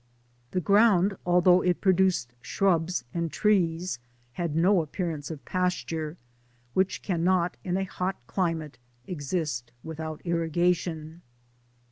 The ground, al though it produced shrubs and trees, had no ap pearance of pasture, which cannot in a hot climate exist without irrigation.